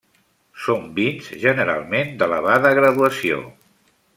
Són vins generalment d'elevada graduació.